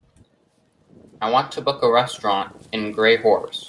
I want to book a restaurant in Gray Horse.